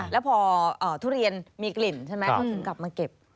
แล้วพอทุเรียนมีกลิ่นถึงกลับมาเก็บ